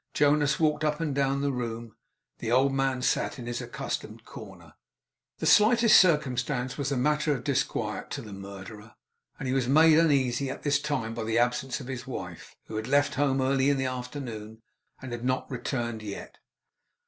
Jonas walked up and down the room. The old man sat in his accustomed corner. The slightest circumstance was matter of disquiet to the murderer, and he was made uneasy at this time by the absence of his wife, who had left home early in the afternoon, and had not returned yet.